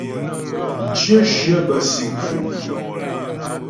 Mcyə shyə bə́ si mfo'fo'.